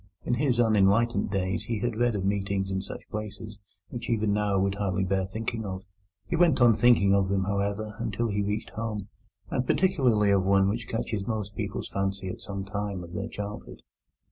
In his unenlightened days he had read of meetings in such places which even now would hardly bear thinking of. He went on thinking of them, however, until he reached home, and particularly of one which catches most people's fancy at some time of their childhood.